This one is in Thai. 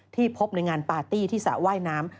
ที่พบในงานพาตี้ที่สาว่ายน้ำ